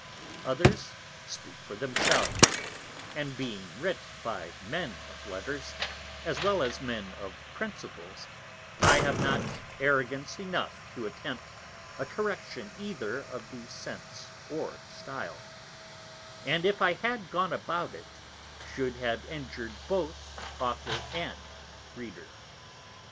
_ _Others speak for themselves, and being writ by Men of Letters, as well as Men of Principles, I have not Arrogance enough to attempt a Correction either of the Sense or Stile; and if I had gone about it, should have injur'd both Author and Reader.